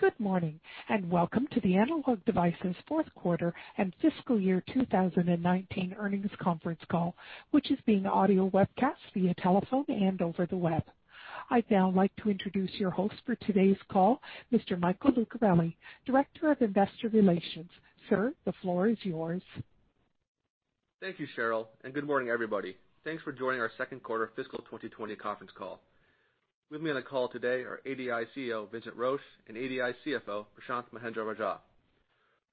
Good morning, welcome to the Analog Devices fourth quarter and fiscal year 2020 earnings conference call, which is being audio webcast via telephone and over the web. I'd now like to introduce your host for today's call, Mr. Michael Lucarelli, Director of Investor Relations. Sir, the floor is yours. Thank you, Cheryl. Good morning, everybody. Thanks for joining our second quarter fiscal 2020 conference call. With me on the call today are ADI CEO, Vincent Roche, and ADI CFO, Prashanth Mahendra-Rajah.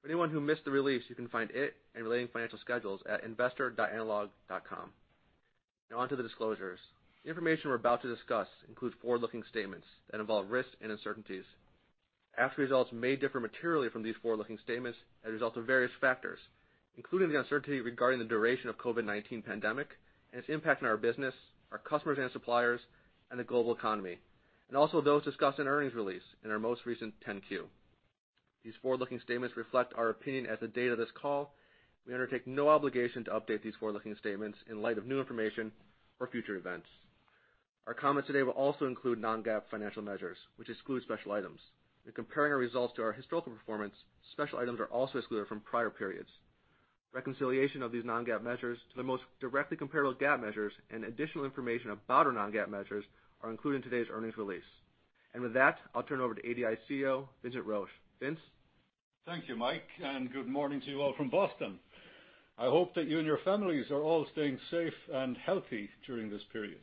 For anyone who missed the release, you can find it and relating financial schedules at investor.analog.com. Now on to the disclosures. The information we're about to discuss includes forward-looking statements that involve risks and uncertainties. Actual results may differ materially from these forward-looking statements as a result of various factors, including the uncertainty regarding the duration of COVID-19 pandemic and its impact on our business, our customers and suppliers, and the global economy, and also those discussed in earnings release in our most recent 10-Q. These forward-looking statements reflect our opinion as the date of this call. We undertake no obligation to update these forward-looking statements in light of new information or future events. Our comments today will also include non-GAAP financial measures, which exclude special items. In comparing our results to our historical performance, special items are also excluded from prior periods. Reconciliation of these non-GAAP measures to the most directly comparable GAAP measures and additional information about our non-GAAP measures are included in today's earnings release. With that, I'll turn it over to ADI CEO, Vincent Roche. Vince? Thank you, Mike, and good morning to you all from Boston. I hope that you and your families are all staying safe and healthy during this period.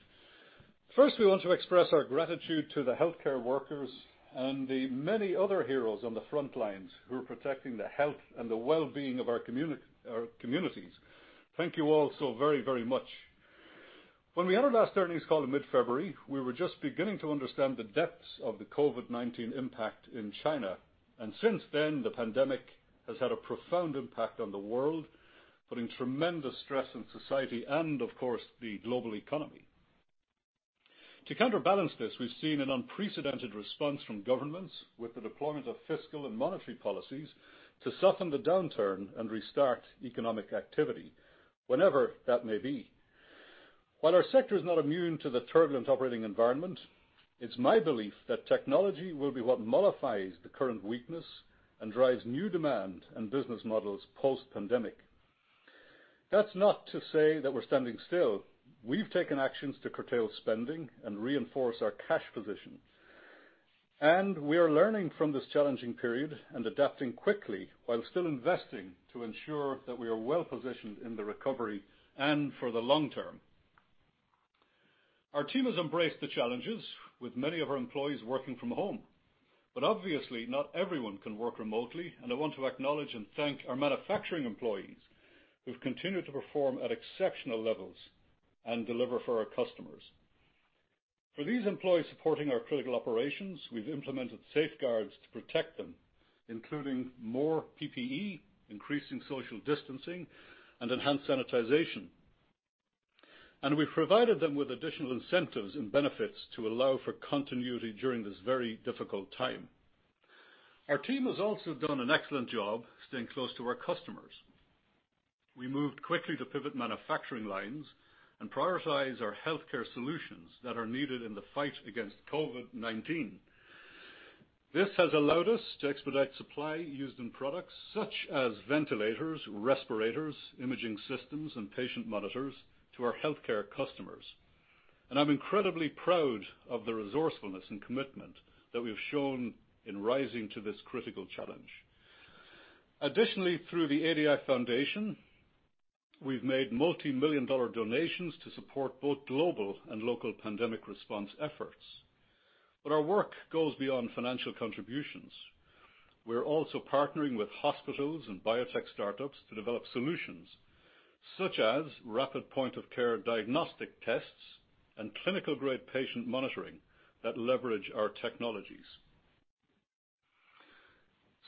First, we want to express our gratitude to the healthcare workers and the many other heroes on the front lines who are protecting the health and the wellbeing of our communities. Thank you all so very much. When we had our last earnings call in mid-February, we were just beginning to understand the depths of the COVID-19 impact in China, and since then, the pandemic has had a profound impact on the world, putting tremendous stress on society and, of course, the global economy. To counterbalance this, we've seen an unprecedented response from governments with the deployment of fiscal and monetary policies to soften the downturn and restart economic activity, whenever that may be. While our sector is not immune to the turbulent operating environment, it's my belief that technology will be what modifies the current weakness and drives new demand and business models post-pandemic. That's not to say that we're standing still. We've taken actions to curtail spending and reinforce our cash position. We are learning from this challenging period and adapting quickly while still investing to ensure that we are well-positioned in the recovery and for the long term. Our team has embraced the challenges with many of our employees working from home. Obviously, not everyone can work remotely, and I want to acknowledge and thank our manufacturing employees who've continued to perform at exceptional levels and deliver for our customers. For these employees supporting our critical operations, we've implemented safeguards to protect them, including more PPE, increasing social distancing, and enhanced sanitization. We've provided them with additional incentives and benefits to allow for continuity during this very difficult time. Our team has also done an excellent job staying close to our customers. We moved quickly to pivot manufacturing lines and prioritize our healthcare solutions that are needed in the fight against COVID-19. This has allowed us to expedite supply used in products such as ventilators, respirators, imaging systems, and patient monitors to our healthcare customers. I'm incredibly proud of the resourcefulness and commitment that we've shown in rising to this critical challenge. Additionally, through the ADI Foundation, we've made multimillion-dollar donations to support both global and local pandemic response efforts. Our work goes beyond financial contributions. We're also partnering with hospitals and biotech startups to develop solutions such as rapid point-of-care diagnostic tests and clinical-grade patient monitoring that leverage our technologies.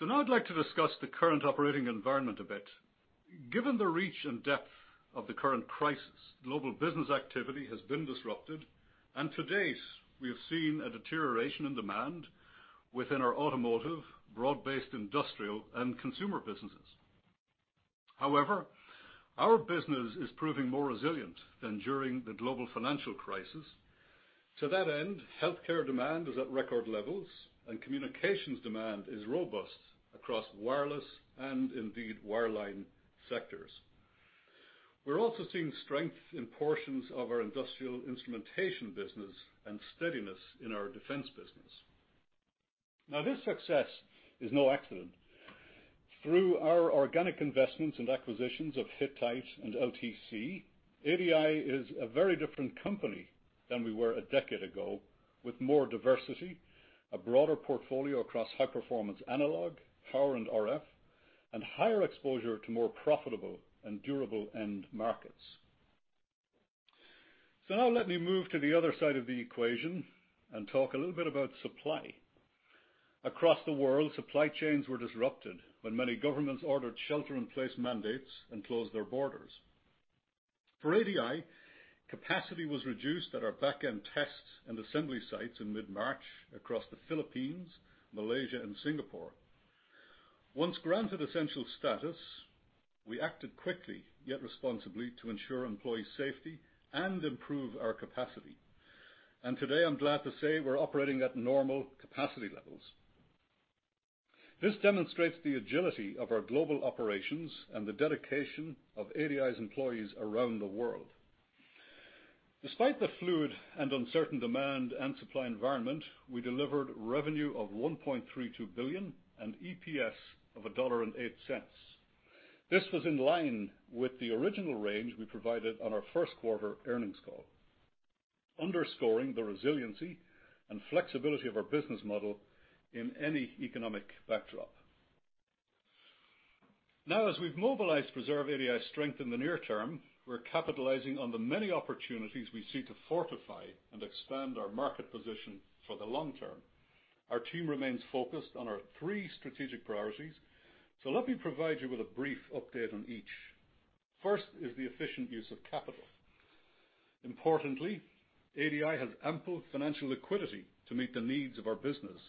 Now I'd like to discuss the current operating environment a bit. Given the reach and depth of the current crisis, global business activity has been disrupted, and to date, we have seen a deterioration in demand within our automotive, broad-based industrial, and consumer businesses. However, our business is proving more resilient than during the global financial crisis. To that end, healthcare demand is at record levels, and communications demand is robust across wireless and indeed wireline sectors. We're also seeing strength in portions of our industrial instrumentation business and steadiness in our defense business. This success is no accident. Through our organic investments and acquisitions of Hittite and LTC, ADI is a very different company than we were a decade ago with more diversity, a broader portfolio across high-performance analog, power and RF, and higher exposure to more profitable and durable end markets. Now let me move to the other side of the equation and talk a little bit about supply. Across the world, supply chains were disrupted when many governments ordered shelter-in-place mandates and closed their borders. For ADI, capacity was reduced at our back-end tests and assembly sites in mid-March across the Philippines, Malaysia, and Singapore. Once granted essential status, we acted quickly yet responsibly to ensure employee safety and improve our capacity. Today, I'm glad to say we're operating at normal capacity levels. This demonstrates the agility of our global operations and the dedication of ADI's employees around the world. Despite the fluid and uncertain demand and supply environment, we delivered revenue of $1.32 billion and EPS of $1.08. This was in line with the original range we provided on our first quarter earnings call, underscoring the resiliency and flexibility of our business model in any economic backdrop. As we've mobilized to preserve ADI's strength in the near term, we're capitalizing on the many opportunities we see to fortify and expand our market position for the long term. Our team remains focused on our three strategic priorities, so let me provide you with a brief update on each. First is the efficient use of capital. Importantly, ADI has ample financial liquidity to meet the needs of our business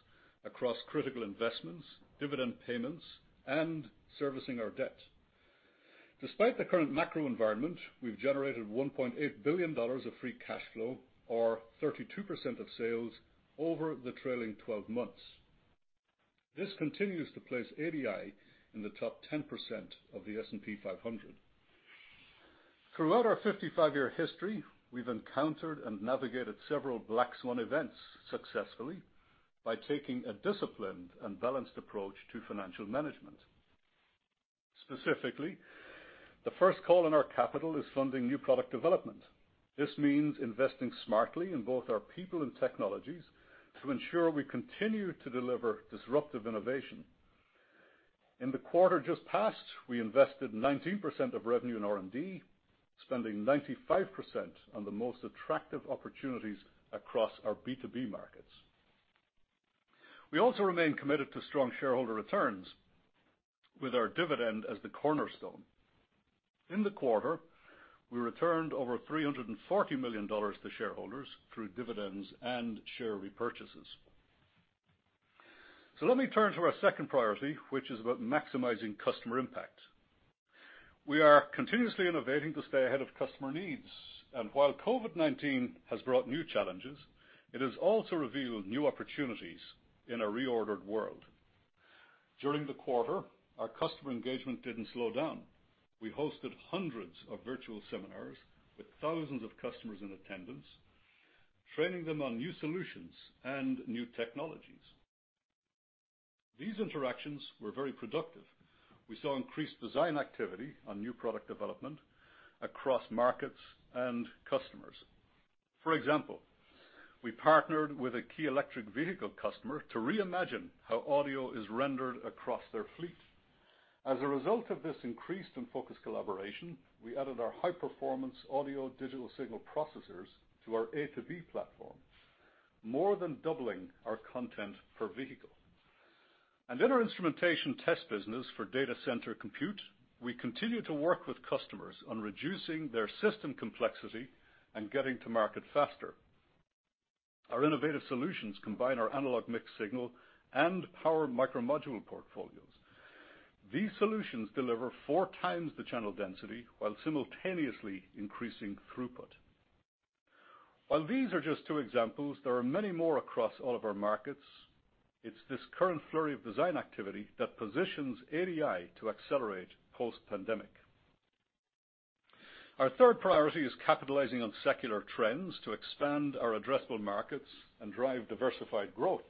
across critical investments, dividend payments, and servicing our debt. Despite the current macro environment, we've generated $1.8 billion of free cash flow, or 32% of sales, over the trailing 12 months. This continues to place ADI in the top 10% of the S&P 500. Throughout our 55-year history, we've encountered and navigated several black swan events successfully by taking a disciplined and balanced approach to financial management. Specifically, the first call on our capital is funding new product development. This means investing smartly in both our people and technologies to ensure we continue to deliver disruptive innovation. In the quarter just passed, we invested 19% of revenue in R&D, spending 95% on the most attractive opportunities across our B2B markets. We also remain committed to strong shareholder returns with our dividend as the cornerstone. In the quarter, we returned over $340 million to shareholders through dividends and share repurchases. Let me turn to our second priority, which is about maximizing customer impact. While COVID-19 has brought new challenges, it has also revealed new opportunities in a reordered world. During the quarter, our customer engagement didn't slow down. We hosted hundreds of virtual seminars with thousands of customers in attendance, training them on new solutions and new technologies. These interactions were very productive. We saw increased design activity on new product development across markets and customers. For example, we partnered with a key electric vehicle customer to reimagine how audio is rendered across their fleet. As a result of this increased and focused collaboration, we added our high-performance audio digital signal processors to our A2B platform, more than doubling our content per vehicle. In our instrumentation test business for data center compute, we continue to work with customers on reducing their system complexity and getting to market faster. Our innovative solutions combine our analog mixed signal and power micromodule portfolios. These solutions deliver four times the channel density while simultaneously increasing throughput. While these are just two examples, there are many more across all of our markets. It's this current flurry of design activity that positions ADI to accelerate post-pandemic. Our third priority is capitalizing on secular trends to expand our addressable markets and drive diversified growth.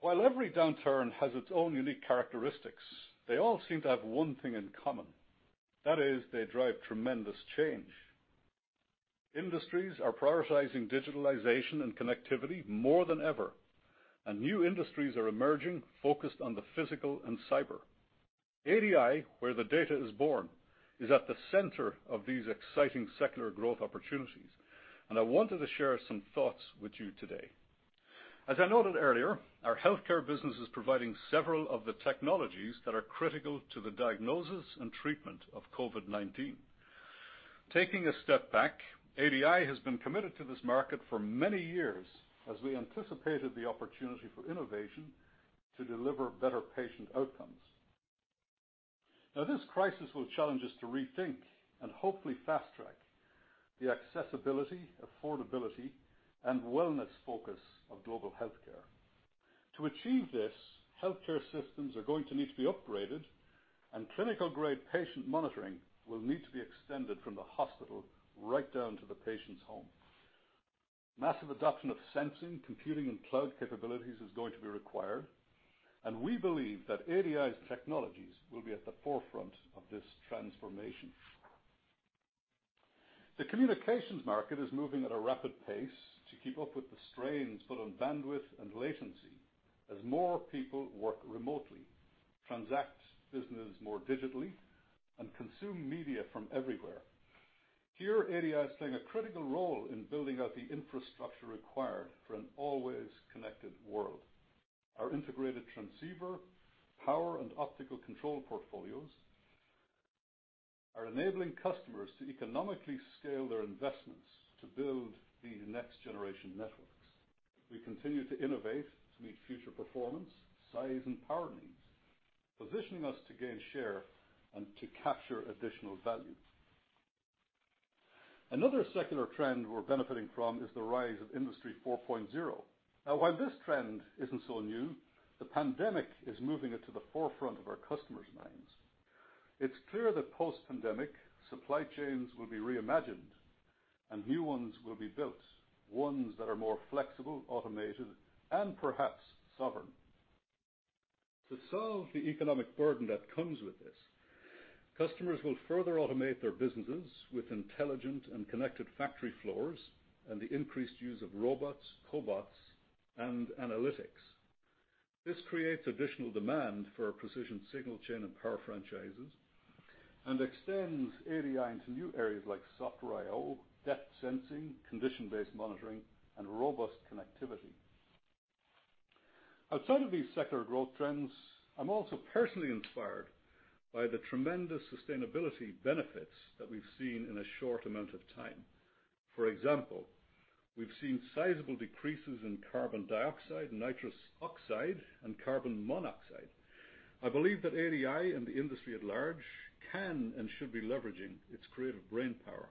While every downturn has its own unique characteristics, they all seem to have one thing in common. That is, they drive tremendous change. Industries are prioritizing digitalization and connectivity more than ever, and new industries are emerging focused on the physical and cyber. ADI, where the data is born, is at the center of these exciting secular growth opportunities. I wanted to share some thoughts with you today. As I noted earlier, our healthcare business is providing several of the technologies that are critical to the diagnosis and treatment of COVID-19. Taking a step back, ADI has been committed to this market for many years as we anticipated the opportunity for innovation to deliver better patient outcomes. Now this crisis will challenge us to rethink and hopefully fast-track the accessibility, affordability, and wellness focus of global healthcare. To achieve this, healthcare systems are going to need to be upgraded and clinical-grade patient monitoring will need to be extended from the hospital right down to the patient's home. Massive adoption of sensing, computing, and cloud capabilities is going to be required, and we believe that ADI's technologies will be at the forefront of this transformation. The communications market is moving at a rapid pace to keep up with the strains put on bandwidth and latency as more people work remotely, transact business more digitally, and consume media from everywhere. Here, ADI is playing a critical role in building out the infrastructure required for an always connected world. Our integrated transceiver, power and optical control portfolios are enabling customers to economically scale their investments to build the next generation networks. We continue to innovate to meet future performance, size, and power needs, positioning us to gain share and to capture additional value. Another secular trend we're benefiting from is the rise of Industry 4.0. While this trend isn't so new, the pandemic is moving it to the forefront of our customers' minds. It's clear that post-pandemic supply chains will be reimagined and new ones will be built, ones that are more flexible, automated, and perhaps sovereign. To solve the economic burden that comes with this, customers will further automate their businesses with intelligent and connected factory floors and the increased use of robots, cobots, and analytics. This creates additional demand for our precision signal chain and power franchises and extends ADI into new areas like software I/O, depth sensing, condition-based monitoring, and robust connectivity. Outside of these secular growth trends, I'm also personally inspired by the tremendous sustainability benefits that we've seen in a short amount of time. For example, we've seen sizable decreases in carbon dioxide, nitrous oxide, and carbon monoxide. I believe that ADI and the industry at large can and should be leveraging its creative brainpower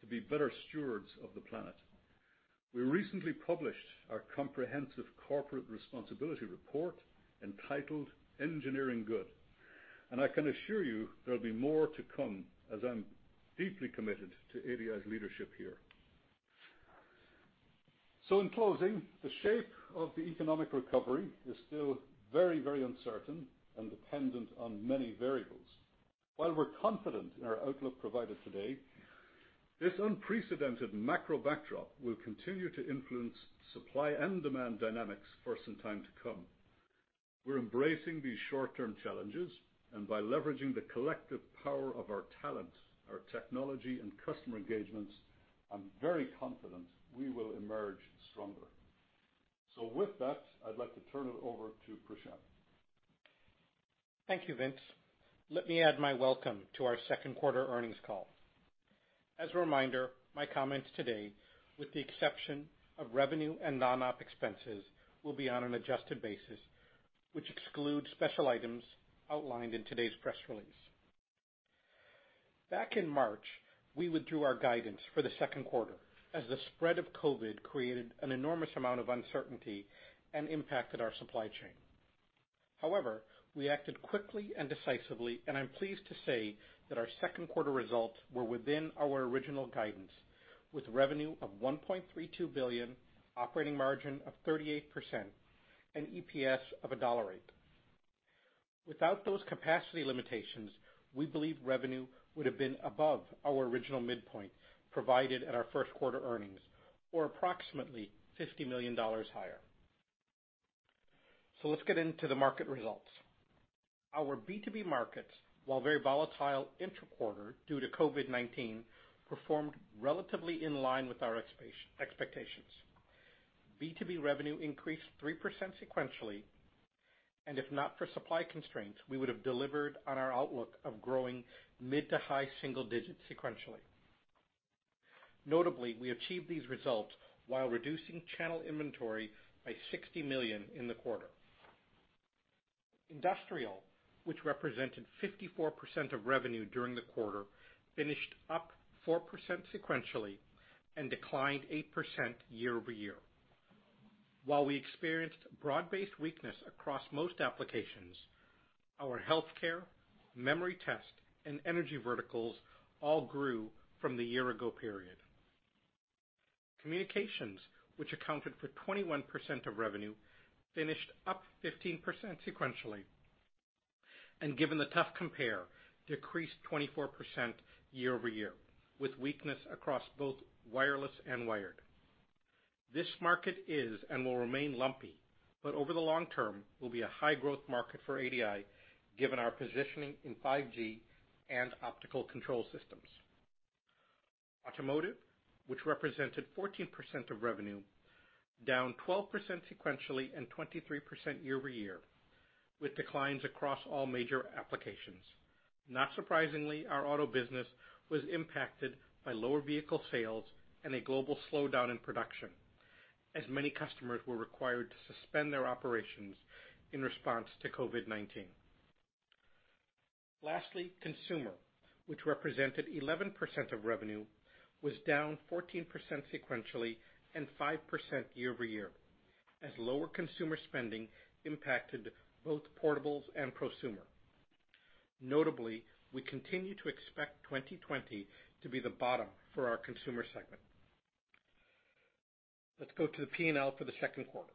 to be better stewards of the planet. We recently published our comprehensive corporate responsibility report entitled "Engineering Good", and I can assure you there'll be more to come as I'm deeply committed to ADI's leadership here. In closing, the shape of the economic recovery is still very, very uncertain and dependent on many variables. While we're confident in our outlook provided today, this unprecedented macro backdrop will continue to influence supply and demand dynamics for some time to come. We're embracing these short-term challenges, and by leveraging the collective power of our talent, our technology, and customer engagements, I'm very confident we will emerge stronger. With that, I'd like to turn it over to Prashanth. Thank you, Vince. Let me add my welcome to our second quarter earnings call. As a reminder, my comments today, with the exception of revenue and non-OpEx, will be on an adjusted basis, which excludes special items outlined in today's press release. In March, we withdrew our guidance for the second quarter as the spread of COVID-19 created an enormous amount of uncertainty and impacted our supply chain. We acted quickly and decisively, and I'm pleased to say that our second quarter results were within our original guidance, with revenue of $1.32 billion, operating margin of 38%, and EPS of $1.08. Without those capacity limitations, we believe revenue would have been above our original midpoint provided at our first quarter earnings or approximately $50 million higher. Let's get into the market results. Our B2B markets, while very volatile intra-quarter due to COVID-19, performed relatively in line with our expectations. B2B revenue increased 3% sequentially. If not for supply constraints, we would have delivered on our outlook of growing mid to high single digits sequentially. Notably, we achieved these results while reducing channel inventory by $60 million in the quarter. Industrial, which represented 54% of revenue during the quarter, finished up 4% sequentially and declined 8% year-over-year. While we experienced broad-based weakness across most applications, our healthcare, memory test, and energy verticals all grew from the year ago period. Communications, which accounted for 21% of revenue, finished up 15% sequentially. Given the tough compare, decreased 24% year-over-year, with weakness across both wireless and wired. This market is and will remain lumpy, but over the long term will be a high growth market for ADI given our positioning in 5G and optical control systems. Automotive, which represented 14% of revenue, down 12% sequentially and 23% year-over-year with declines across all major applications. Not surprisingly, our auto business was impacted by lower vehicle sales and a global slowdown in production as many customers were required to suspend their operations in response to COVID-19. Lastly, consumer, which represented 11% of revenue, was down 14% sequentially and 5% year-over-year as lower consumer spending impacted both portables and prosumer. Notably, we continue to expect 2020 to be the bottom for our consumer segment. Let's go to the P&L for the second quarter.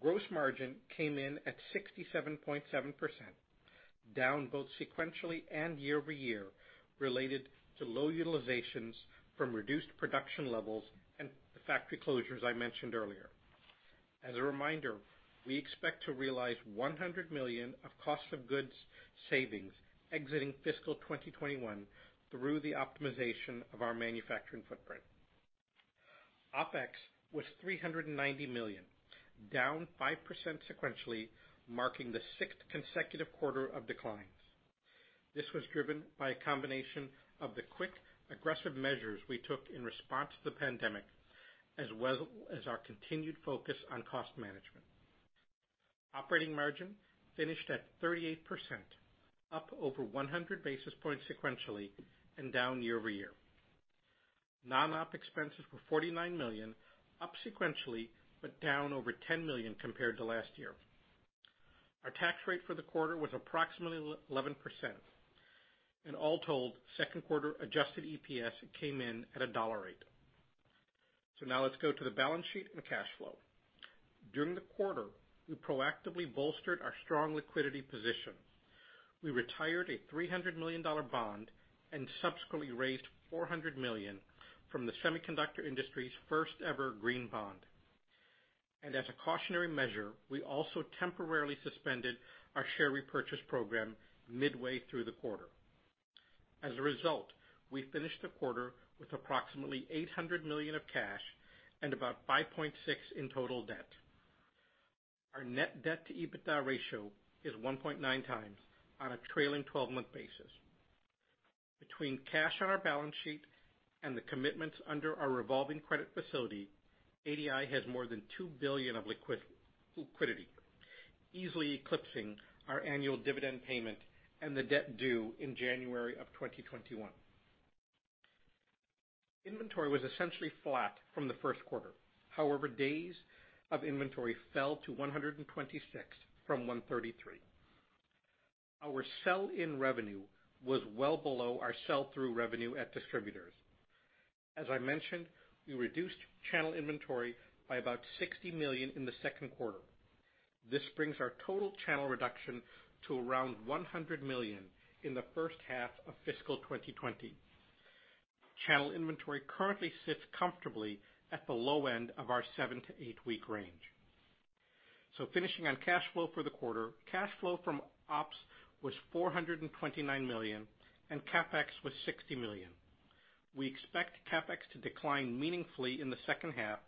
Gross margin came in at 67.7%, down both sequentially and year-over-year related to low utilizations from reduced production levels and the factory closures I mentioned earlier. As a reminder, we expect to realize $100 million of cost of goods savings exiting fiscal 2021 through the optimization of our manufacturing footprint. OpEx was $390 million, down 5% sequentially, marking the sixth consecutive quarter of declines. This was driven by a combination of the quick, aggressive measures we took in response to the pandemic, as well as our continued focus on cost management. Operating margin finished at 38%, up over 100 basis points sequentially and down year-over-year. Non-op expenses were $49 million, up sequentially, but down over $10 million compared to last year. Our tax rate for the quarter was approximately 11%, all told, second quarter adjusted EPS came in at $1.08. Now let's go to the balance sheet and the cash flow. During the quarter, we proactively bolstered our strong liquidity position. We retired a $300 million bond and subsequently raised $400 million from the semiconductor industry's first ever green bond. As a cautionary measure, we also temporarily suspended our share repurchase program midway through the quarter. As a result, we finished the quarter with approximately $800 million of cash and about $5.6 billion in total debt. Our net debt to EBITDA ratio is 1.9 times on a trailing 12-month basis. Between cash on our balance sheet and the commitments under our revolving credit facility, ADI has more than $2 billion of liquidity, easily eclipsing our annual dividend payment and the debt due in January of 2021. Inventory was essentially flat from the first quarter. However, days of inventory fell to 126 from 133. Our sell-in revenue was well below our sell-through revenue at distributors. As I mentioned, we reduced channel inventory by about $60 million in the second quarter. This brings our total channel reduction to around $100 million in the first half of fiscal 2020. Channel inventory currently sits comfortably at the low end of our seven to eight-week range. Finishing on cash flow for the quarter, cash flow from ops was $429 million, and CapEx was $60 million. We expect CapEx to decline meaningfully in the second half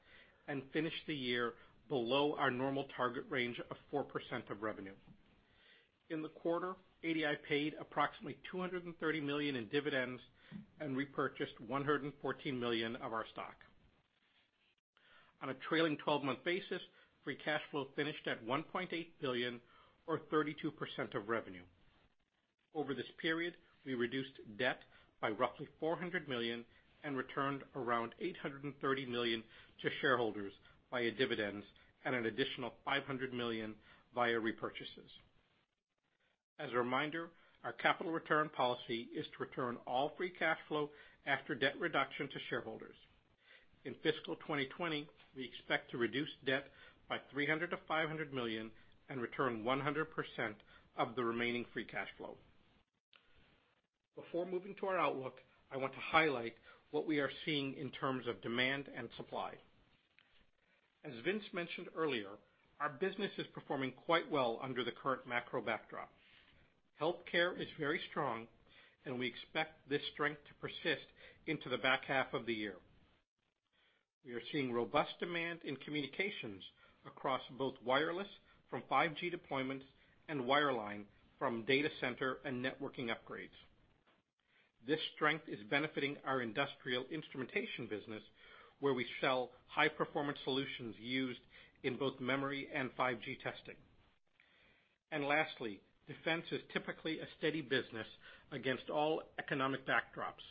and finish the year below our normal target range of 4% of revenue. In the quarter, ADI paid approximately $230 million in dividends and repurchased $114 million of our stock. On a trailing 12-month basis, free cash flow finished at $1.8 billion or 32% of revenue. Over this period, we reduced debt by roughly $400 million and returned around $830 million to shareholders via dividends at an additional $500 million via repurchases. As a reminder, our capital return policy is to return all free cash flow after debt reduction to shareholders. In fiscal 2020, we expect to reduce debt by $300 million-$500 million and return 100% of the remaining free cash flow. Before moving to our outlook, I want to highlight what we are seeing in terms of demand and supply. As Vince mentioned earlier, our business is performing quite well under the current macro backdrop. Healthcare is very strong, and we expect this strength to persist into the back half of the year. We are seeing robust demand in communications across both wireless from 5G deployments and wireline from data center and networking upgrades. This strength is benefiting our industrial instrumentation business, where we sell high-performance solutions used in both memory and 5G testing. Lastly, defense is typically a steady business against all economic backdrops.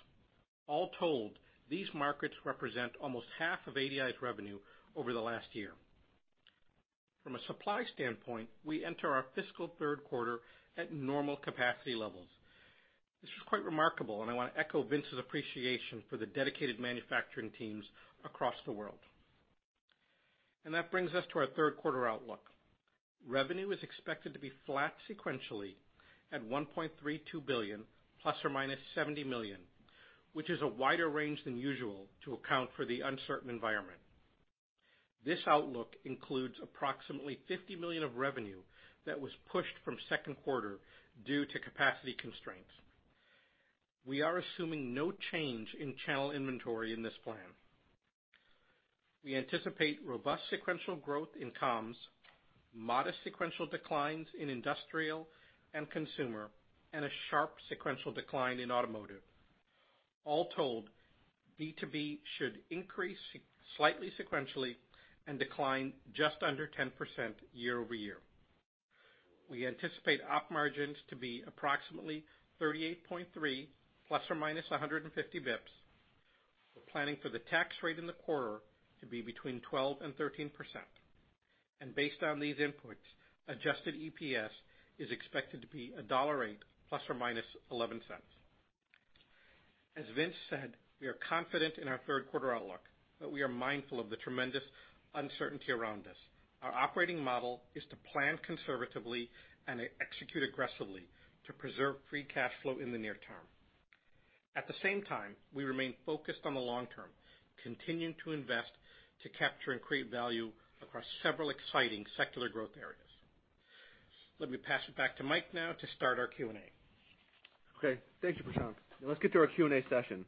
All told, these markets represent almost half of ADI's revenue over the last year. From a supply standpoint, we enter our fiscal third quarter at normal capacity levels. This is quite remarkable, and I want to echo Vince's appreciation for the dedicated manufacturing teams across the world. That brings us to our third quarter outlook. Revenue is expected to be flat sequentially at $1.32 billion plus or minus $70 million, which is a wider range than usual to account for the uncertain environment. This outlook includes approximately $50 million of revenue that was pushed from second quarter due to capacity constraints. We are assuming no change in channel inventory in this plan. We anticipate robust sequential growth in comms, modest sequential declines in industrial and consumer, and a sharp sequential decline in automotive. All told, B2B should increase slightly sequentially and decline just under 10% year-over-year. We anticipate op margins to be approximately 38.3% ± 150 basis points. We're planning for the tax rate in the quarter to be between 12% and 13%. Based on these inputs, adjusted EPS is expected to be $1.08 ± $0.11. As Vince said, we are confident in our third quarter outlook, but we are mindful of the tremendous uncertainty around us. Our operating model is to plan conservatively and execute aggressively to preserve free cash flow in the near term. At the same time, we remain focused on the long term, continuing to invest to capture and create value across several exciting secular growth areas. Let me pass it back to Mike now to start our Q&A. Okay. Thank you, Prashanth. Let's get to our Q&A session.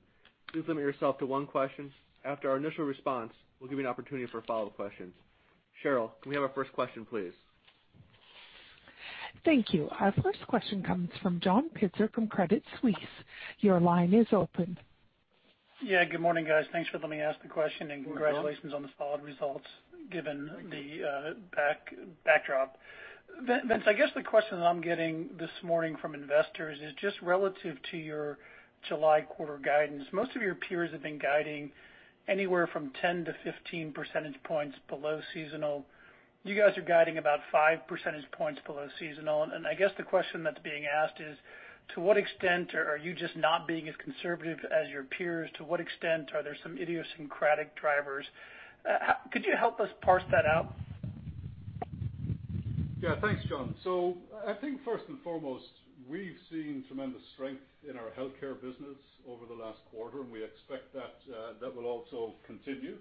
Please limit yourself to one question. After our initial response, we'll give you an opportunity for follow-up questions. Cheryl, can we have our first question, please? Thank you. Our first question comes from John Pitzer from Credit Suisse. Your line is open. Yeah. Good morning, guys. Thanks for letting me ask the question. Good morning, John. Congratulations on the solid results, given the backdrop. Vince, I guess the question I'm getting this morning from investors is just relative to your July quarter guidance. Most of your peers have been guiding anywhere from 10 to 15 percentage points below seasonal. You guys are guiding about five percentage points below seasonal. I guess the question that's being asked is, to what extent are you just not being as conservative as your peers? To what extent are there some idiosyncratic drivers? Could you help us parse that out? Thanks, John. I think first and foremost, we've seen tremendous strength in our healthcare business over the last quarter, and we expect that will also continue.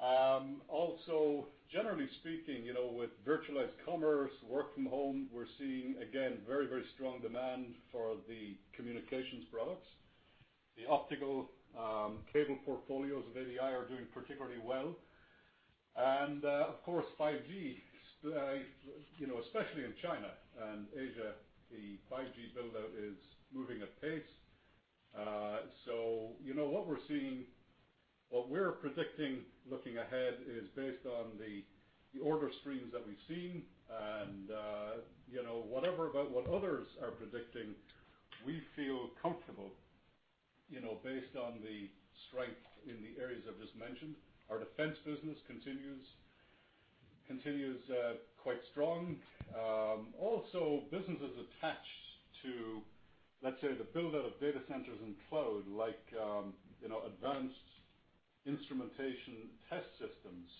Also, generally speaking, with virtualized commerce, work from home, we're seeing, again, very strong demand for the communications products. The optical cable portfolios of ADI are doing particularly well. Of course, 5G, especially in China and Asia, the 5G build-out is moving at pace. What we're predicting looking ahead is based on the order streams that we've seen. Whatever about what others are predicting, we feel comfortable based on the strength in the areas I've just mentioned. Our defense business continues quite strong. Also, businesses attached to, let's say, the build-out of data centers and cloud, like advanced instrumentation test systems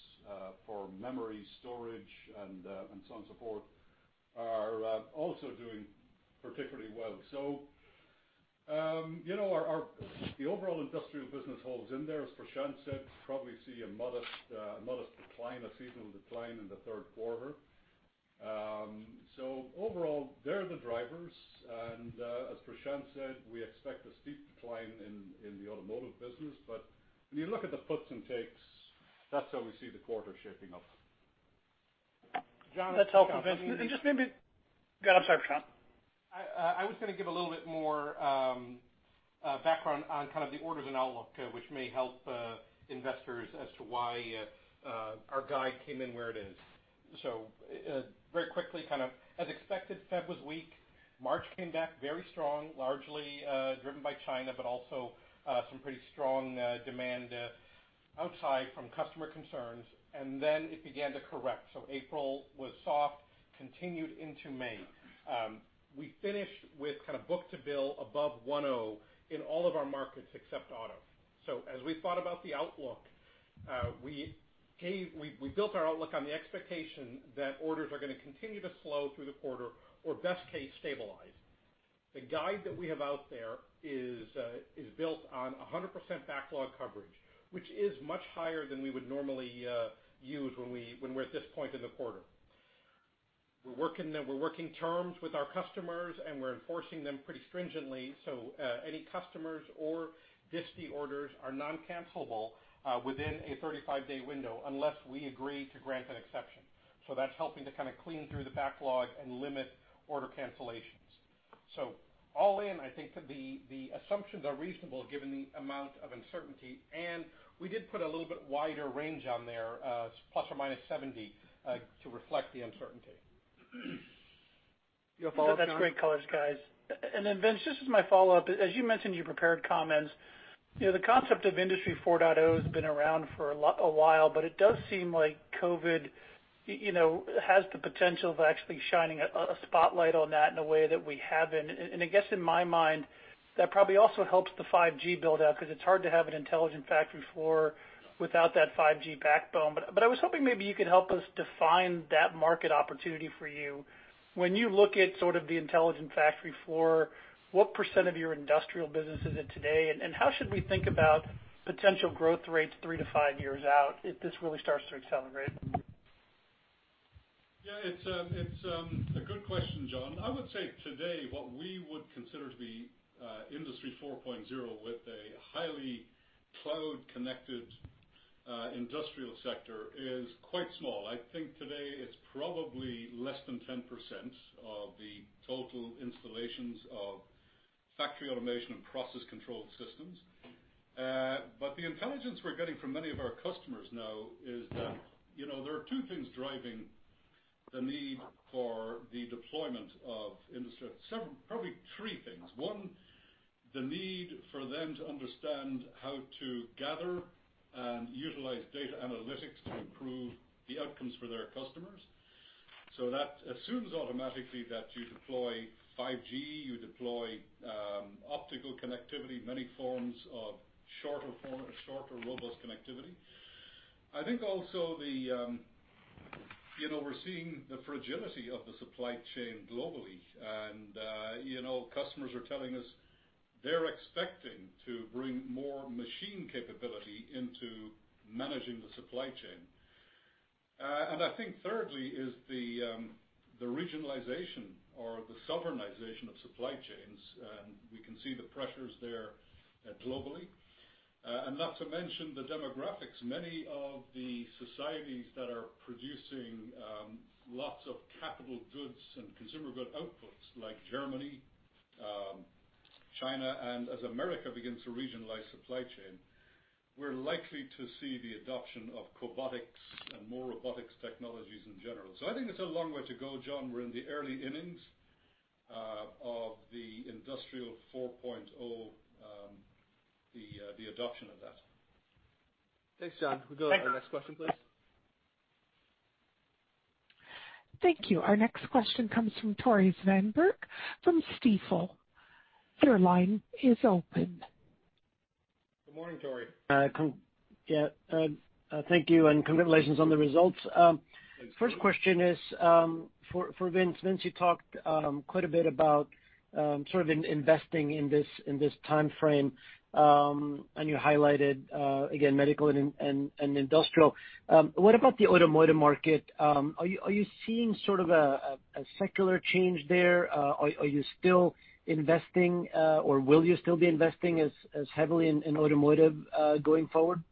for memory storage and so on and so forth, are also doing particularly well. The overall industrial business holds in there, as Prashant said, probably see a modest decline, a seasonal decline in the third quarter. Overall, they're the drivers, and as Prashant said, we expect a steep decline in the automotive business. When you look at the puts and takes, that's how we see the quarter shaping up. John- That's helpful, Vince. Go ahead. I'm sorry, Prashanth. I was going to give a little bit more background on kind of the orders and outlook, which may help investors as to why our guide came in where it is. Very quickly, as expected, Feb was weak. March came back very strong, largely driven by China, but also some pretty strong demand outside from customer concerns. Then it began to correct. April was soft, continued into May. We finished with kind of book to bill above 1.0 In all of our markets except auto. As we thought about the outlook, we built our outlook on the expectation that orders are going to continue to slow through the quarter or best case stabilize. The guide that we have out there is built on 100% backlog coverage, which is much higher than we would normally use when we're at this point in the quarter. We're working terms with our customers, and we're enforcing them pretty stringently. Any customers or disti orders are non-cancellable within a 35-day window unless we agree to grant an exception. That's helping to kind of clean through the backlog and limit order cancellations. All in, I think the assumptions are reasonable given the amount of uncertainty. We did put a little bit wider range on there, ±70, to reflect the uncertainty. Your follow-up, John? No, that's great colors, guys. Vince, this is my follow-up. As you mentioned in your prepared comments, the concept of Industry 4.0 has been around for a while, but it does seem like COVID has the potential of actually shining a spotlight on that in a way that we haven't. I guess in my mind, that probably also helps the 5G build-out because it's hard to have an intelligent factory floor without that 5G backbone. I was hoping maybe you could help us define that market opportunity for you. When you look at sort of the intelligent factory floor, what % of your industrial business is it today, and how should we think about potential growth rates three to five years out if this really starts to accelerate? It's a good question, John. I would say today, what we would consider to be Industry 4.0 with a highly cloud-connected industrial sector is quite small. I think today it's probably less than 10% of the total installations of factory automation and process control systems. The intelligence we're getting from many of our customers now is that there are two things driving the need for the deployment of. Probably three things. One, the need for them to understand how to gather and utilize data analytics to improve the outcomes for their customers. That assumes automatically that you deploy 5G, you deploy optical connectivity, many forms of shorter, robust connectivity. I think also we're seeing the fragility of the supply chain globally. Customers are telling us. They're expecting to bring more machine capability into managing the supply chain. I think thirdly is the regionalization or the sovereignization of supply chains. We can see the pressures there globally. Not to mention the demographics. Many of the societies that are producing lots of capital goods and consumer good outputs like Germany, China, and as America begins to regionalize supply chain, we're likely to see the adoption of cobotics and more robotics technologies in general. I think it's a long way to go, John. We're in the early innings of the Industry 4.0, the adoption of that. Thanks, John. Thanks. Can we go to our next question, please? Thank you. Our next question comes from Tore Svanberg from Stifel. Your line is open. Good morning, Tore. Yeah. Thank you, and congratulations on the results. Thanks. First question is for Vince. Vince, you talked quite a bit about sort of investing in this timeframe. You highlighted, again, medical and industrial. What about the automotive market? Are you seeing sort of a secular change there? Are you still investing, or will you still be investing as heavily in automotive, going forward?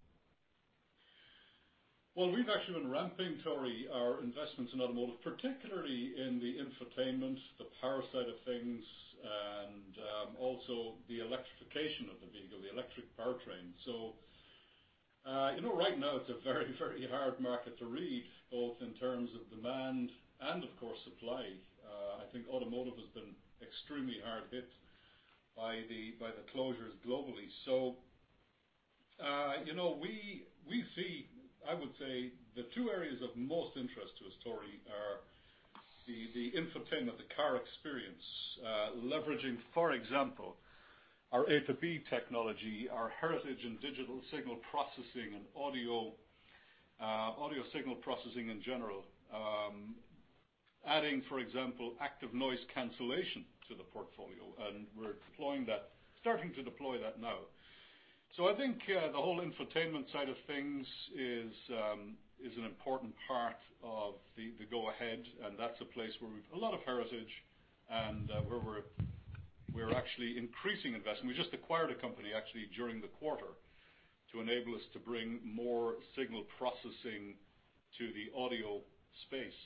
Well, we've actually been ramping, Tore, our investments in automotive, particularly in the infotainment, the power side of things, and also the electrification of the vehicle, the electric powertrain. Right now it's a very hard market to read, both in terms of demand and of course, supply. I think automotive has been extremely hard hit by the closures globally. We see, I would say, the two areas of most interest to us, Tore, are the infotainment, the car experience. Leveraging, for example, our A2B technology, our heritage in digital signal processing and audio signal processing in general. Adding, for example, active noise cancellation to the portfolio, and we're starting to deploy that now. I think the whole infotainment side of things is an important part of the go-ahead, and that's a place where we've a lot of heritage and where we're actually increasing investment. We just acquired a company, actually, during the quarter to enable us to bring more signal processing to the audio space.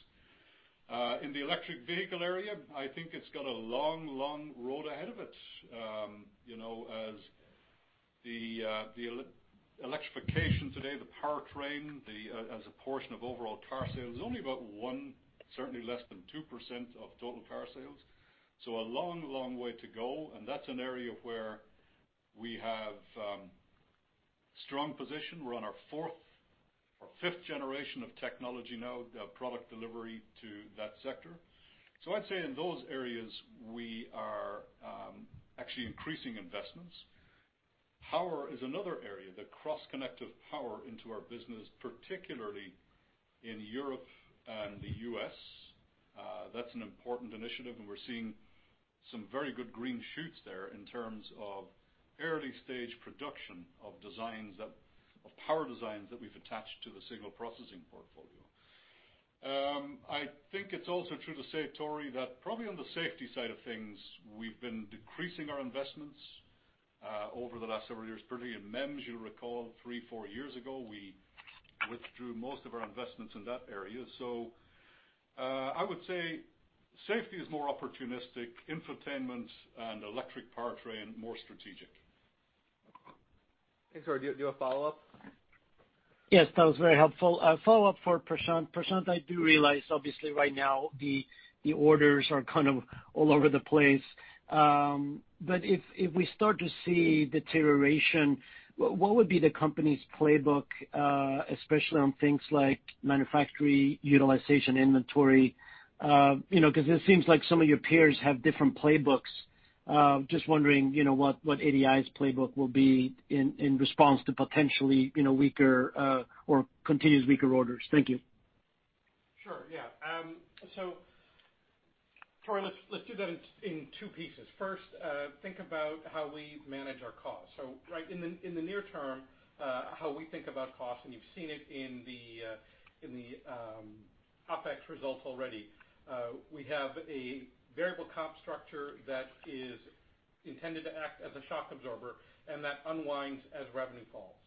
In the electric vehicle area, I think it's got a long road ahead of it. The electrification today, the powertrain as a portion of overall car sales, is only about one, certainly less than 2% of total car sales. A long way to go. That's an area where we have strong position. We're on our fourth or fifth generation of technology now, the product delivery to that sector. I'd say in those areas, we are actually increasing investments. Power is another area, the cross-connect of power into our business, particularly in Europe and the U.S. That's an important initiative, and we're seeing some very good green shoots there in terms of early-stage production of power designs that we've attached to the signal processing portfolio. I think it's also true to say, Tore, that probably on the safety side of things, we've been decreasing our investments over the last several years. Particularly in MEMS, you'll recall, three, four years ago, we withdrew most of our investments in that area. I would say safety is more opportunistic. Infotainment and electric powertrain, more strategic. Thanks. Tore, do you have a follow-up? Yes, that was very helpful. A follow-up for Prashant. Prashant, I do realize obviously right now the orders are kind of all over the place. If we start to see deterioration, what would be the company's playbook, especially on things like manufacturing, utilization, inventory? Because it seems like some of your peers have different playbooks. Just wondering what ADI's playbook will be in response to potentially weaker or continuous weaker orders. Thank you. Sure, yeah. Tore, let's do that in two pieces. First, think about how we manage our costs. Right in the near term, how we think about cost, and you've seen it in the OpEx results already. We have a variable comp structure that is intended to act as a shock absorber, and that unwinds as revenue falls.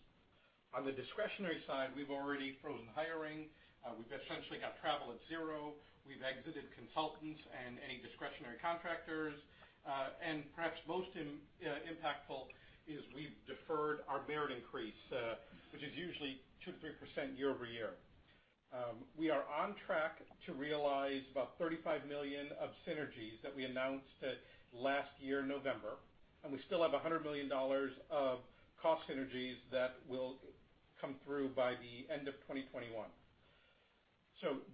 On the discretionary side, we've already frozen hiring. We've essentially got travel at zero. We've exited consultants and any discretionary contractors. Perhaps most impactful is we've deferred our merit increase, which is usually 2%-3% year-over-year. We are on track to realize about $35 million of synergies that we announced last year, November. We still have $100 million of cost synergies that will come through by the end of 2021.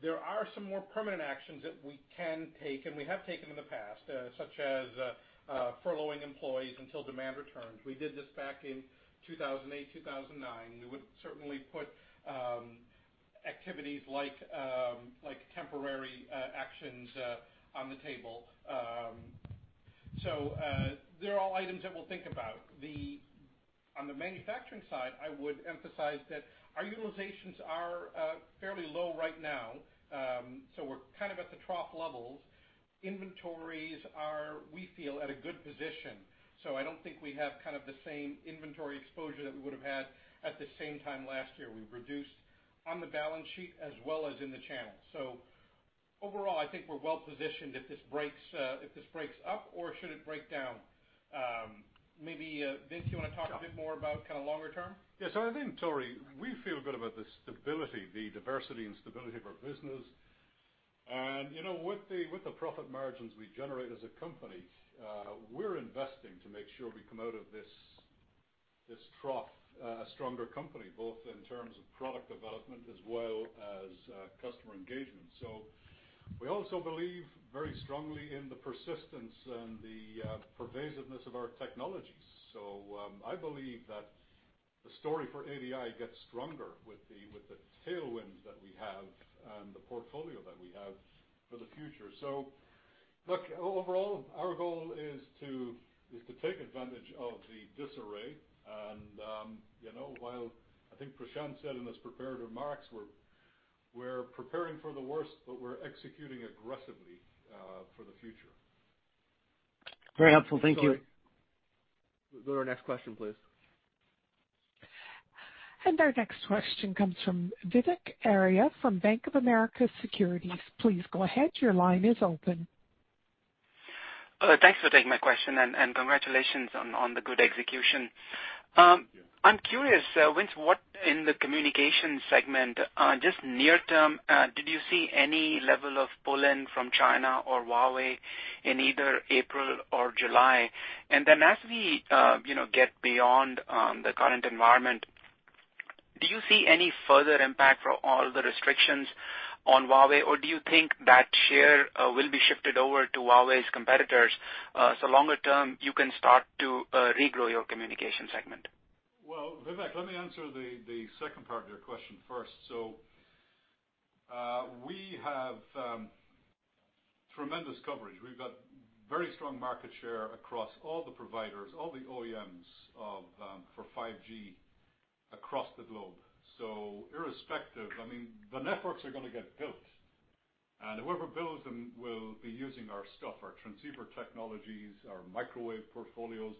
There are some more permanent actions that we can take, and we have taken in the past, such as furloughing employees until demand returns. We did this back in 2008, 2009. We would certainly put activities like temporary actions on the table. They're all items that we'll think about. On the manufacturing side, I would emphasize that our utilizations are fairly low right now, so we're kind of at the trough levels. Inventories are, we feel, at a good position. I don't think we have the same inventory exposure that we would've had at the same time last year. We've reduced on the balance sheet as well as in the channel. Overall, I think we're well-positioned if this breaks up or should it break down. Maybe, Vince, you want to talk a bit more about longer term? I think, Tore, we feel good about the diversity and stability of our business. With the profit margins we generate as a company, we're investing to make sure we come out of this trough a stronger company, both in terms of product development as well as customer engagement. We also believe very strongly in the persistence and the pervasiveness of our technologies. I believe that the story for ADI gets stronger with the tailwinds that we have and the portfolio that we have for the future. Look, overall, our goal is to take advantage of the disarray and while I think Prashanth said in his prepared remarks, we're preparing for the worst, but we're executing aggressively for the future. Very helpful. Thank you. Tore, go to our next question, please. Our next question comes from Vivek Arya from Bank of America Securities. Please go ahead, your line is open. Thanks for taking my question and congratulations on the good execution. Thank you. I'm curious, Vince, what in the communication segment, just near term, did you see any level of pull-in from China or Huawei in either April or July? As we get beyond the current environment, do you see any further impact for all the restrictions on Huawei? Do you think that share will be shifted over to Huawei's competitors, so longer term you can start to regrow your communication segment? Well, Vivek, let me answer the second part of your question first. We have tremendous coverage. We've got very strong market share across all the providers, all the OEMs for 5G across the globe. Irrespective, I mean, the networks are going to get built, and whoever builds them will be using our stuff, our transceiver technologies, our microwave portfolios,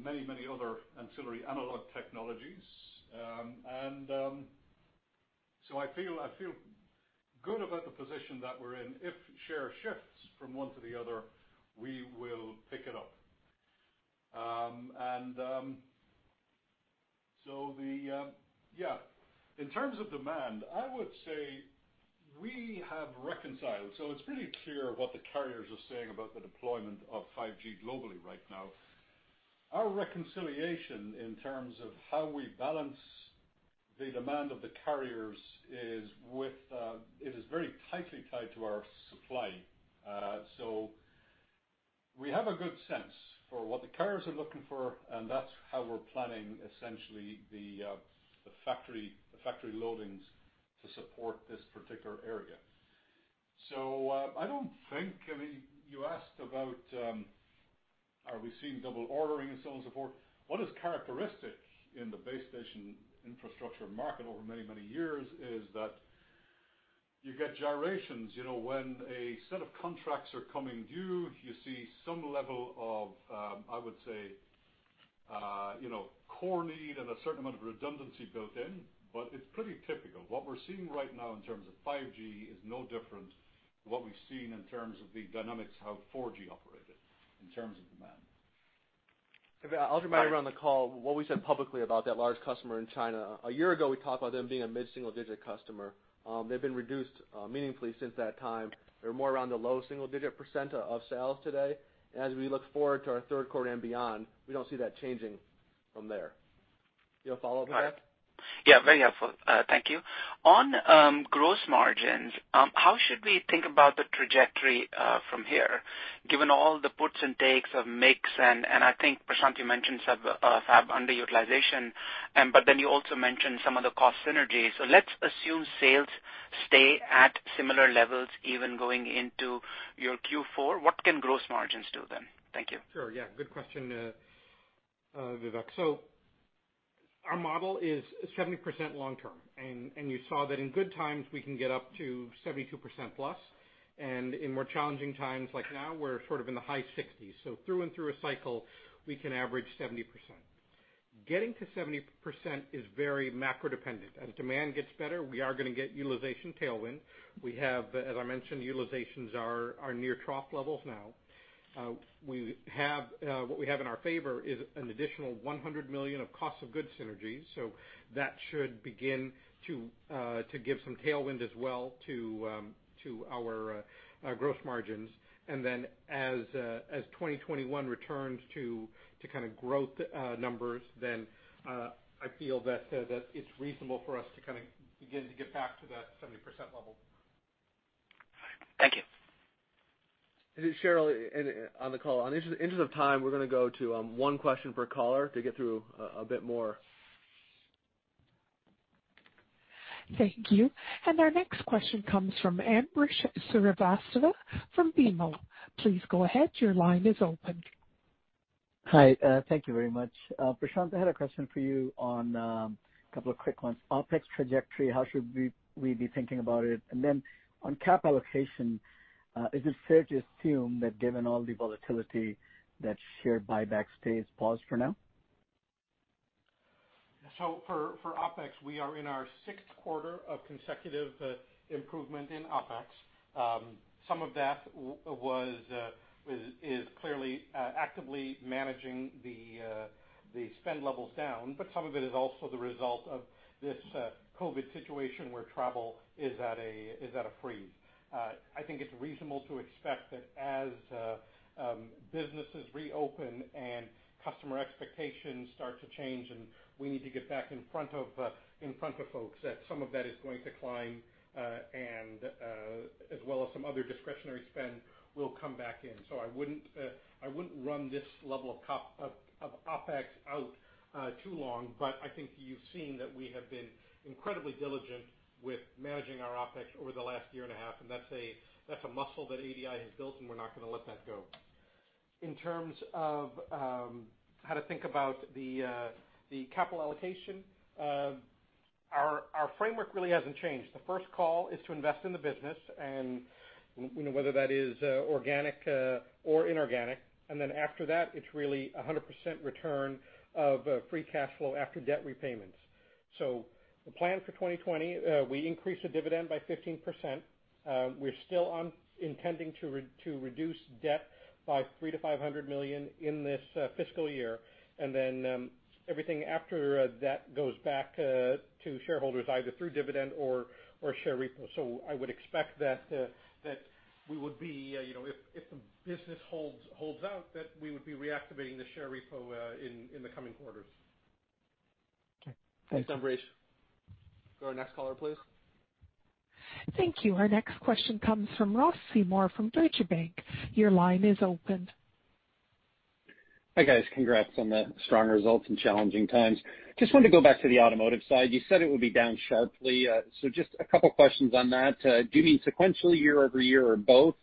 many other ancillary analog technologies. I feel good about the position that we're in. If share shifts from one to the other, we will pick it up. In terms of demand, I would say we have reconciled. It's pretty clear what the carriers are saying about the deployment of 5G globally right now. Our reconciliation in terms of how we balance the demand of the carriers is very tightly tied to our supply. We have a good sense for what the carriers are looking for, and that's how we're planning essentially the factory loadings to support this particular area. You asked about, are we seeing double ordering and so on and so forth. What is characteristic in the base station infrastructure market over many years is that you get gyrations. When a set of contracts are coming due, you see some level of, I would say, core need and a certain amount of redundancy built in, but it's pretty typical. What we're seeing right now in terms of 5G is no different to what we've seen in terms of the dynamics how 4G operated in terms of demand. Vivek, I'll just remind everyone on the call what we said publicly about that large customer in China. A year ago, we talked about them being a mid-single-digit customer. They've been reduced meaningfully since that time. They're more around the low single-digit % of sales today. As we look forward to our third quarter and beyond, we don't see that changing from there. You have a follow-up, Vivek? Yeah, very helpful. Thank you. On gross margins, how should we think about the trajectory from here, given all the puts and takes of mix and I think, Prashant, you mentioned fab underutilization, but then you also mentioned some of the cost synergies. Let's assume sales stay at similar levels even going into your Q4. What can gross margins do then? Thank you. Sure. Yeah. Good question, Vivek. Our model is 70% long-term, and you saw that in good times, we can get up to 72% plus, and in more challenging times like now, we're sort of in the high 60s. Through and through a cycle, we can average 70%. Getting to 70% is very macro dependent. As demand gets better, we are going to get utilization tailwind. We have, as I mentioned, utilizations are near trough levels now. What we have in our favor is an additional $100 million of cost of goods synergies. That should begin to give some tailwind as well to our gross margins. As 2021 returns to kind of growth numbers, I feel that it's reasonable for us to kind of begin to get back to that 70% level. Thank you. Cheryl on the call, in the interest of time, we're going to go to one question per caller to get through a bit more. Thank you. Our next question comes from Ambrish Srivastava from BMO. Please go ahead. Your line is open. Hi. Thank you very much. Prashanth, I had a question for you on a couple of quick ones. OpEx trajectory, how should we be thinking about it? Then on cap allocation, is it fair to assume that given all the volatility, that share buybacks stays paused for now? For OpEx, we are in our sixth quarter of consecutive improvement in OpEx. Some of that is clearly actively managing the spend levels down, but some of it is also the result of this COVID situation where travel is at a freeze. I think it's reasonable to expect that as businesses reopen and customer expectations start to change and we need to get back in front of folks, that some of that is going to climb, as well as some other discretionary spend will come back in. I wouldn't run this level of OpEx out too long, but I think you've seen that we have been incredibly diligent with managing our OpEx over the last year and a half, and that's a muscle that ADI has built, and we're not going to let that go. In terms of how to think about the capital allocation, our framework really hasn't changed. The first call is to invest in the business, and whether that is organic or inorganic, and then after that, it's really 100% return of free cash flow after debt repayments. The plan for 2020, we increased the dividend by 15%. We're still intending to reduce debt by $300 million-$500 million in this fiscal year, and then everything after that goes back to shareholders, either through dividend or share repo. I would expect that if the business holds out, that we would be reactivating the share repo in the coming quarters. Okay. Thanks. Thanks, Ambrish. Go to our next caller, please. Thank you. Our next question comes from Ross Seymore from Deutsche Bank. Your line is open. Hi, guys. Congrats on the strong results in challenging times. Just wanted to go back to the automotive side. You said it would be down sharply. Just a couple questions on that. Do you mean sequentially, year-over-year, or both?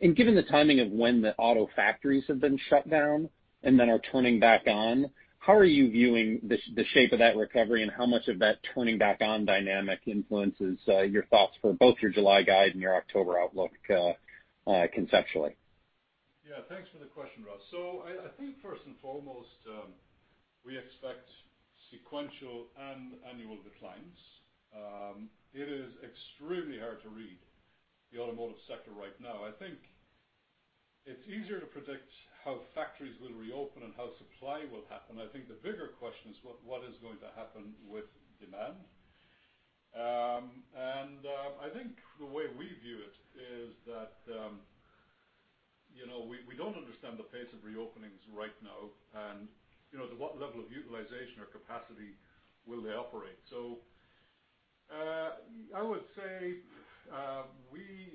Given the timing of when the auto factories have been shut down and then are turning back on, how are you viewing the shape of that recovery and how much of that turning back on dynamic influences your thoughts for both your July guide and your October outlook conceptually? Thanks for the question, Ross. I think first and foremost, we expect sequential and annual declines. It is extremely hard to read the automotive sector right now. I think it's easier to predict how factories will reopen and how supply will happen. I think the bigger question is what is going to happen with demand. I think the way we view it is that we don't understand the pace of reopenings right now and to what level of utilization or capacity will they operate. I would say we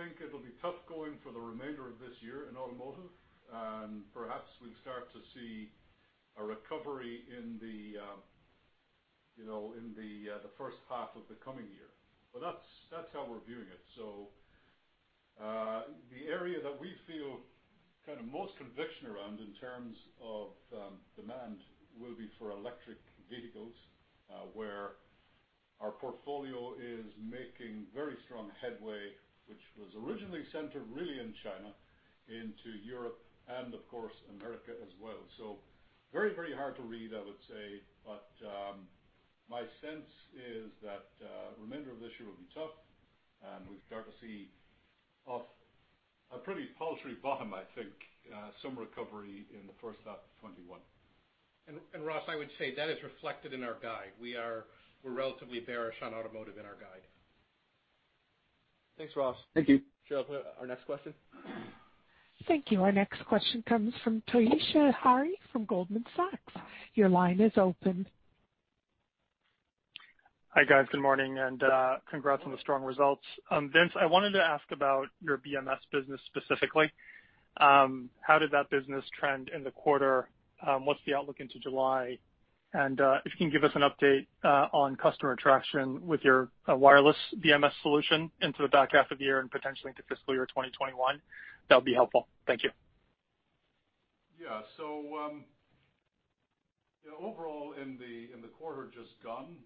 think it'll be tough going for the remainder of this year in automotive, and perhaps we start to see a recovery in the first half of the coming year. That's how we're viewing it. The area that we feel most conviction around in terms of demand will be for electric vehicles, where our portfolio is making very strong headway, which was originally centered really in China, into Europe, and of course, America as well. Very hard to read, I would say, but my sense is that remainder of this year will be tough, and we'll start to see off a pretty paltry bottom, I think, some recovery in the first half of 2021. Ross, I would say that is reflected in our guide. We're relatively bearish on automotive in our guide. Thanks, Ross. Thank you. Cheryl, our next question. Thank you. Our next question comes from Toshiya Hari from Goldman Sachs. Your line is open. Hi, guys. Good morning and congrats on the strong results. Vince, I wanted to ask about your BMS business specifically. How did that business trend in the quarter? What's the outlook into July? If you can give us an update on customer traction with your wireless BMS solution into the back half of the year and potentially into fiscal year 2021, that would be helpful. Thank you. Overall in the quarter just gone,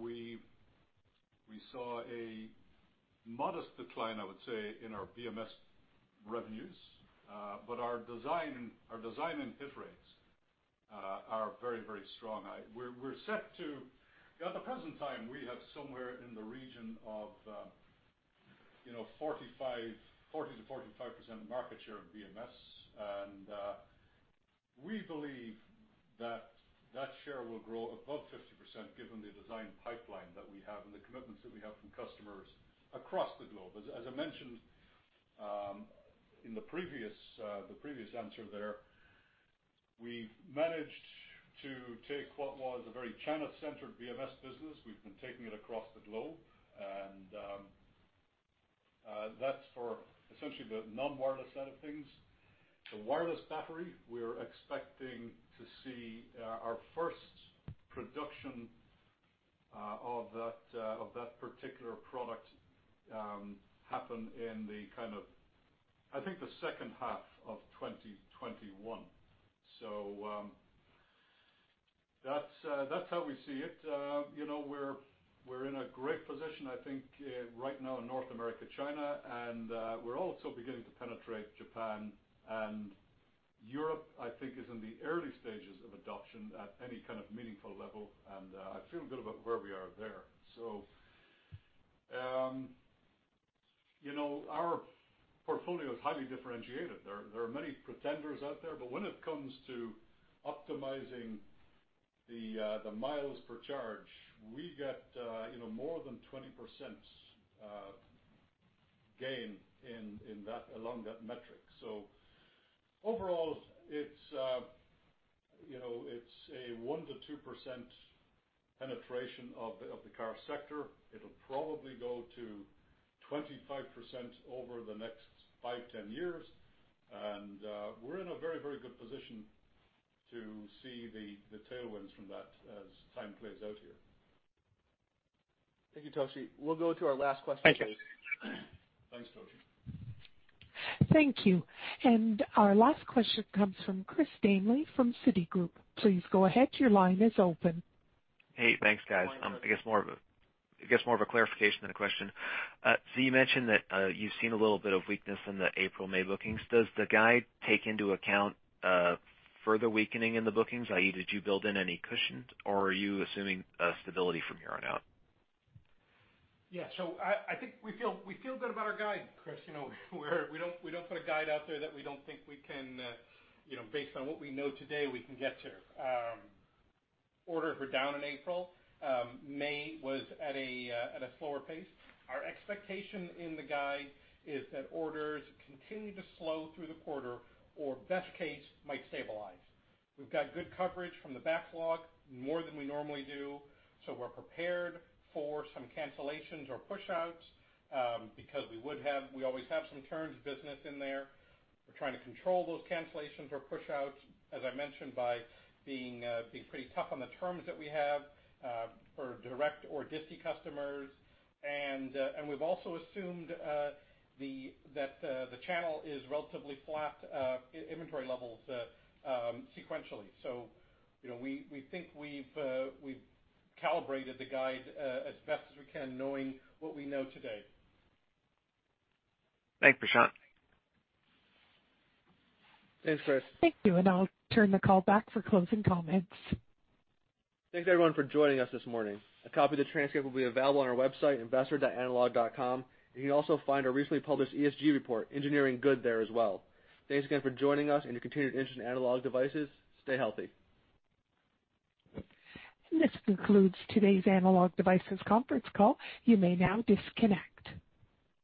we saw a modest decline, I would say, in our BMS revenues. Our design-in rates are very strong. At the present time, we have somewhere in the region of 40%-45% market share of BMS, and we believe that share will grow above 50% given the design pipeline that we have and the commitments that we have from customers across the globe. As I mentioned in the previous answer. We've managed to take what was a very China-centered BMS business. We've been taking it across the globe, and that's for essentially the non-wireless side of things. The wireless battery, we're expecting to see our first production of that particular product happen in the, I think, the second half of 2021. That's how we see it. We're in a great position, I think, right now in North America, China, and we're also beginning to penetrate Japan, and Europe, I think, is in the early stages of adoption at any kind of meaningful level. I feel good about where we are there. Our portfolio is highly differentiated. There are many pretenders out there, but when it comes to optimizing the miles per charge, we get more than 20% gain along that metric. Overall, it's a 1%-2% penetration of the car sector. It'll probably go to 25% over the next five, 10 years. We're in a very good position to see the tailwinds from that as time plays out here. Thank you, Toshi. We'll go to our last question. Thanks, Toshi. Thank you. Our last question comes from Chris Danely from Citigroup. Please go ahead. Your line is open. Hey, thanks, guys. I guess more of a clarification than a question. You mentioned that you've seen a little bit of weakness in the April-May bookings. Does the guide take into account further weakening in the bookings? I.e., did you build in any cushions, or are you assuming stability from here on out? I think we feel good about our guide, Chris. We don't put a guide out there that we don't think we can, based on what we know today, we can get to. Orders were down in April. May was at a slower pace. Our expectation in the guide is that orders continue to slow through the quarter or best case might stabilize. We've got good coverage from the backlog, more than we normally do, so we're prepared for some cancellations or pushouts, because we always have some turns business in there. We're trying to control those cancellations or pushouts, as I mentioned, by being pretty tough on the terms that we have for direct or disti customers. We've also assumed that the channel is relatively flat inventory levels sequentially. We think we've calibrated the guide as best as we can, knowing what we know today. Thanks, Prashanth. Thanks, Chris. Thank you. I'll turn the call back for closing comments. Thanks everyone for joining us this morning. A copy of the transcript will be available on our website, investor.analog.com. You can also find our recently published ESG report, Engineering Good, there as well. Thanks again for joining us and your continued interest in Analog Devices. Stay healthy. This concludes today's Analog Devices conference call. You may now disconnect.